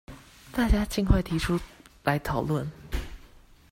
大家儘快提出來討論